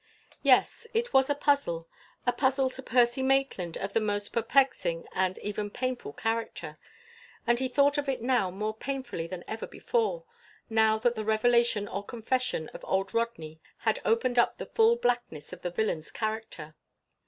Yes, it was a puzzle, a puzzle to Percy Maitland of the most perplexing and even painful character. And he thought of it now more painfully than ever before, now that the revelation or confession of old Rodney had opened up the full blackness of the villain's character.